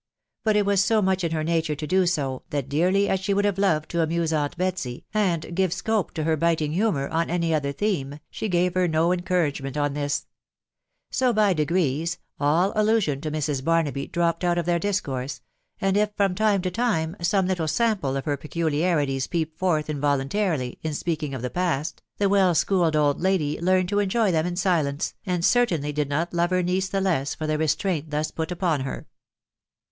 But itavaa so much in her nature to do so, that dearly as she wxmldlesie loved to amuse aunt Betsy, and give scope to her fasting Jm mour on any other theme, she gave her no encouragement en this ; so, by degrees, all allusion to Mrs. Batnaby dropped out of their discourse ; and if, from time to time, aome lit pie of her peculiarities peeped forth involuntarily in of the past, the well schooled old lady learned to enjoy them in silence, and certainly did not lore her niece the leas for the restraint thus put upon her.